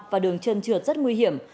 và đường chân trượt rất nguy hiểm